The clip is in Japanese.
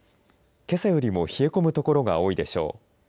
けさよりも冷え込む所が多いでしょう。